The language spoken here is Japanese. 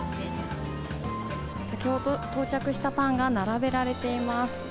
先ほど到着したパンが並べられています。